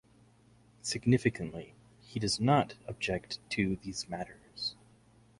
Significantly, he does not object to these matters.